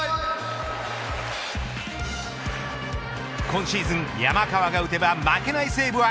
今シーズン、山川が打てば負けない西武は